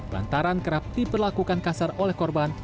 lantaran kerap diperlakukan kasar oleh korban